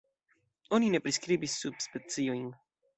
Oni ne priskribis subspeciojn.